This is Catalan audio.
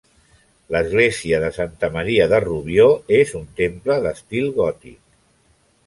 L'Església de Santa Maria de Rubió és un temple d'estil gòtic.